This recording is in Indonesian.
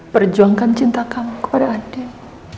perjuangkan cinta kamu kepada adik